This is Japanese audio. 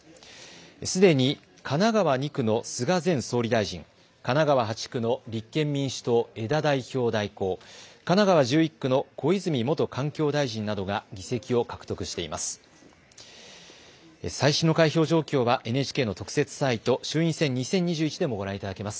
すでに神奈川２区の菅前総理大臣、神奈川８区の立憲民主党、江田代表代行、神奈川１１区の小泉元環境大臣などが議席を獲得しています。